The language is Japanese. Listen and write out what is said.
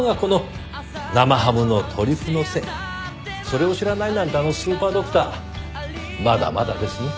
それを知らないなんてあのスーパードクターまだまだですね。